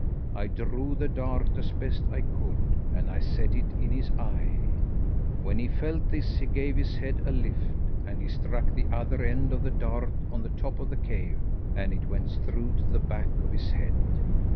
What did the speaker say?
I drew the dart as best I could, and I set it in his eye. When he felt this he gave his head a lift, and he struck the other end of the dart on the top of the cave, and it went through to the back of his head.